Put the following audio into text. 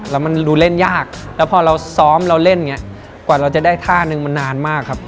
แล้วมันดูเล่นยากแล้วพอเราซ้อมเราเล่นอย่างนี้กว่าเราจะได้ท่านึงมันนานมากครับ